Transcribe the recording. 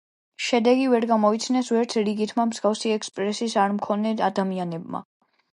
შედეგი ვერ გამოიცნეს ვერც რიგითმა, მსგავსი ექსპერტიზის არმქონე ადამიანებმა.